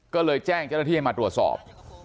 ก็เลยแจ้งเจ้าหน้าที่ให้มาตรวจสอบ